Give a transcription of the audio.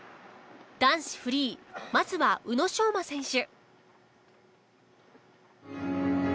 男子フリーまずは宇野昌磨選手。